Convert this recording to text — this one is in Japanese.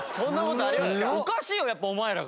おかしいよやっぱお前らが。